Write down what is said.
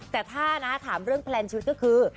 แต่ถ้านะถามเรื่องแพลนชีวิตก็คือ